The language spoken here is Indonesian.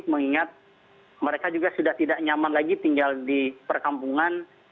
mengingat mereka juga sudah tidak nyaman lagi tinggal di perkampungan